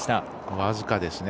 僅かですね。